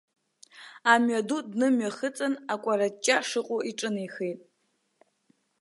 Амҩаду днымҩахыҵын акәараҷҷа шыҟоу иҿынеихеит.